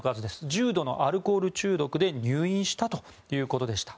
重度のアルコール中毒で入院したということでした。